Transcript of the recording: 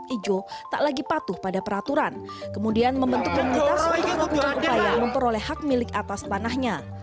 ijo tak lagi patuh pada peraturan kemudian membentuk untuk memperoleh hak milik atas tanahnya